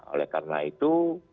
oleh karena itu